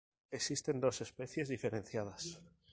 Existen dos especies diferenciadas.